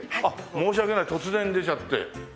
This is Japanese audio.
申し訳ない突然出ちゃって。